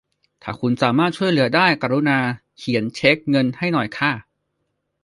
ถ้าคุณสามารถช่วยเหลือได้ กรุณาเขียนเช็คเงินให้หน่อยค่ะ